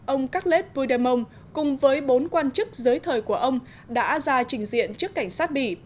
ông các lết vui đề mông cùng với bốn quan chức giới thời của ông đã ra trình diện trước cảnh sát bỉ